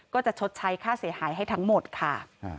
จะชดใช้ค่าเสียหายให้ทั้งหมดค่ะ